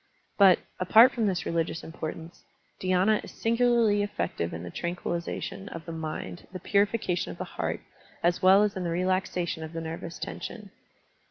But, apart from this religious importance, dhy^na is sin gularly effective in the tranquillization of the mind, the purification of the heart, as well as in the relaxation of the nervous tension.